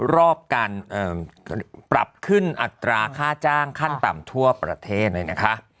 รอบการปรับขึ้นอัตราค่าจ้างขั้นต่ำทั่วประเทศเลยนะคะ